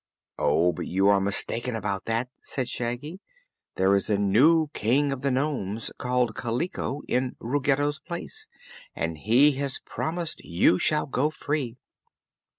"Oh, but you are mistaken about that," said Shaggy. "There is a new King of the nomes, named Kaliko, in Ruggedo's place, and he has promised you shall go free."